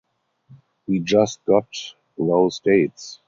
We just got those dates.